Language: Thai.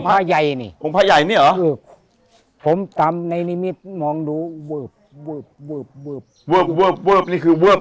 ผ้าใหญ่นี่ผ้าใหญ่นี่หรอผมตามในนิมิตรมองดูเวิบเวิบเวิบเวิบเวิบเวิบเวิบ